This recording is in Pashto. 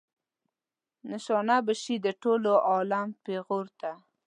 نشانه به شئ د ټول عالم پیغور ته.